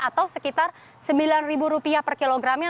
atau sekitar rp sembilan per kilogramnya